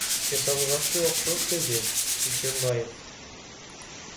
Жасалгасы окшош, — деди Дүйшөбаев.